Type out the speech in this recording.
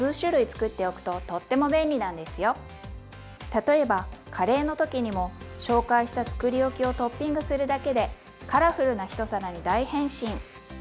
例えばカレーの時にも紹介したつくりおきをトッピングするだけでカラフルな１皿に大変身！